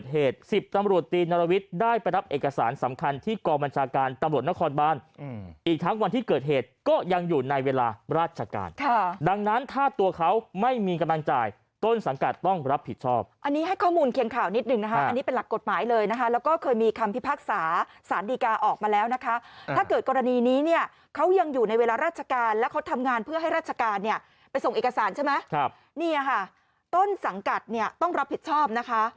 ให้ตัวเขาไม่มีกำลังจ่ายต้นสังกัดต้องรับผิดชอบอันนี้ให้ข้อมูลเคียงข่าวนิดนึงนะฮะอันนี้เป็นหลักกฎหมายเลยนะฮะแล้วก็เคยมีคำพิพากษาสารดีกาออกมาแล้วนะคะถ้าเกิดกรณีนี้เนี่ยเขายังอยู่ในเวลาราชการแล้วเขาทำงานเพื่อให้ราชการเนี่ยไปส่งเอกสารใช่ไหมครับนี่ค่ะต้นสังกัดเนี่ยต้องรับผิดชอบ